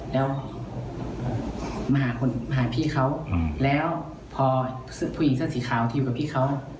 แล้วมาหาพี่เขาแล้วพอผู้หญิงเสื้อสีขาวที่อยู่กับพี่เขา